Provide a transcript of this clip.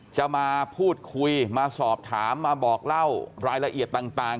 จะมาพูดคุยมาสอบถามมาบอกเล่ารายละเอียดต่าง